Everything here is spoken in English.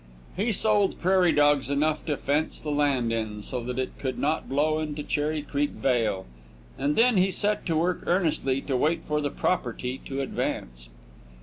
He sold prairie dogs enough to fence the land in so that it could not blow into Cherry Creek vale, and then he set to work earnestly to wait for the property to advance.